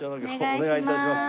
お願い致します。